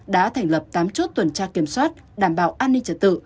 đã thành lập tám chốt tuần tra kiểm soát đảm bảo an ninh trật tự